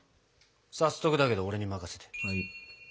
早速だけど俺に任せて。